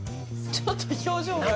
ちょっと表情が。